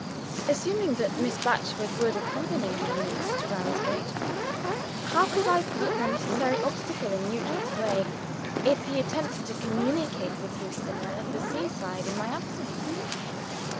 Assuming that Miss Batchford would accompany her niece to Ramsgate, how could I put the necessary obstacle in Nugent's way, if he attempted to communicate with Lucilla at the sea side, in my absence?